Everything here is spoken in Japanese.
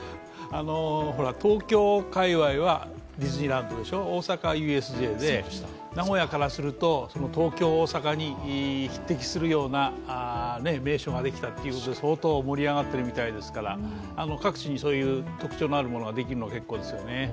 東京界隈はディズニーランドでしょ、大阪はＵＳＪで、名古屋からすると東京、大阪に匹敵するような名所ができたということで相当盛り上がってるみたいですから各地にそういう特徴のあるものができるのは結構ですよね。